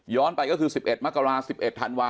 ไปก็คือ๑๑มกรา๑๑ธันวาค